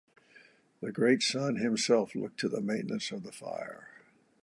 The Great Sun himself looked to the maintenance of the fire.